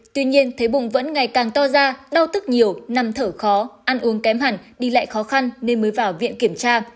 tuy nhiên thế bùng vẫn ngày càng to ra đau tức nhiều nằm thở khó ăn uống kém hẳn đi lại khó khăn nên mới vào viện kiểm tra